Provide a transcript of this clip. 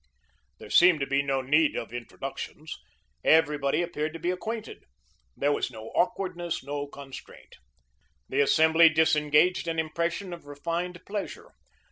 There seemed to be no need of introductions. Everybody appeared to be acquainted. There was no awkwardness, no constraint. The assembly disengaged an impression of refined pleasure.